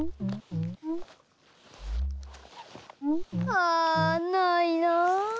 あないな。